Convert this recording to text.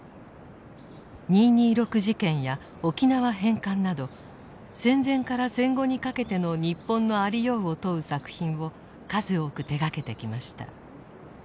二・二六事件や沖縄返還など戦前から戦後にかけての日本のありようを問う作品を数多く手がけてきました。